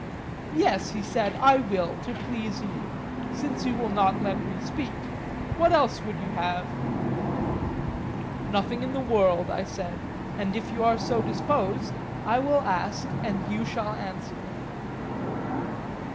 Yes, he said, I will, to please you, since you will not let me speak. What else would you have? Nothing in the world, I said; and if you are so disposed I will ask and you shall answer.